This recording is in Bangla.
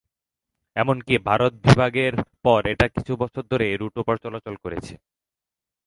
এমনকি ভারত বিভাগের পর এটা কিছু বছর ধরে এই রুট উপর চলাচল করেছে।